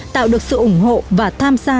tạo được sự ủng hộ và tham gia